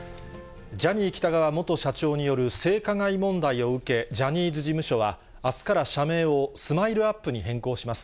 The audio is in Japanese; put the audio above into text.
ジャニー喜多川元社長による性加害問題を受け、ジャニーズ事務所は、あすから社名をスマイルアップに変更します。